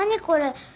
これ。